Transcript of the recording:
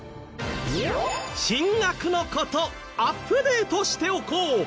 進学の事アップデートしておこう。